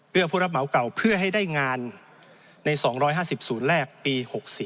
เพื่อผู้รับเหมาเก่าเพื่อให้ได้งานใน๒๕๐ศูนย์แรกปี๖๔